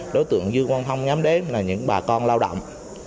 đối tượng dương quang phong nhắm đến là những bà con lao động